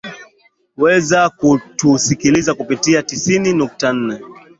weza kutusikiliza kupitia tisini nukta nne